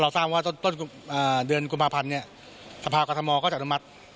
พอเราสร้างว่าต้นเดือนกุมภาพันธุ์สภาพกฎธมก็จะอนุมัติ